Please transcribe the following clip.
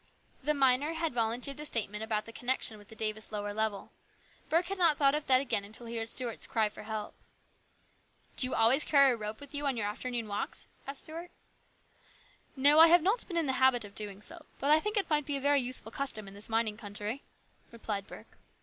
The miner had volun teered the statement about the connection with the Davis lower level. Burke had not thought of that again until he heard Stuart's cry for help. " Do you always carry a rope with you on your afternoon walks ?" asked Stuart. " No, I have not been in the habit of doing so, but I think it might be a very useful custom in this mining country," replied Burke.